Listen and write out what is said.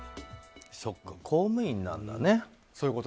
そっか、公務員なんだね。